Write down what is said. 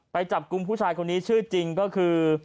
ไปจับกลุ่มผู้ชายคนนี้ชื่อจริงก็คือ